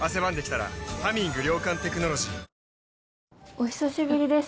お久しぶりです。